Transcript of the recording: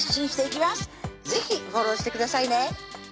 是非フォローしてくださいね